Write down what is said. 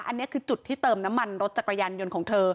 อันนี้คือจุดที่เติมน้ำมันรถจักรยานยนต์ของเธอ